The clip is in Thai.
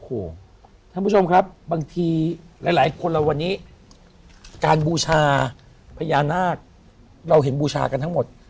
โอ้โหท่านผู้ชมครับบางทีหลายคนเราวันนี้การบูชาพญานาคเราเห็นบูชากันทั้งหมด